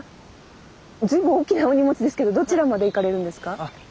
随分大きなお荷物ですけどどちらまで行かれるんですか？